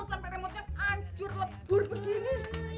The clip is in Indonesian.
sampai rambutnya hancur lebur begini